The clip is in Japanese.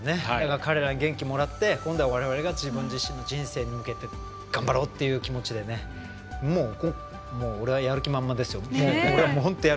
彼らに元気をもらって今度はわれわれが自分自身の人生に向けて頑張ろうということでもう俺はやる気満々ですよ。